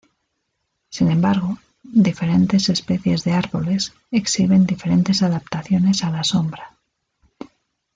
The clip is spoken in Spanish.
Sin embargo, diferentes especies de árboles exhiben diferentes adaptaciones a la sombra.